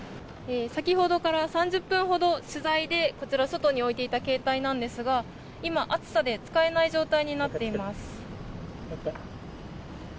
先ほどから、３０分ほど取材でこちら外に置いていた携帯なんですが暑さで使えない状態になっています。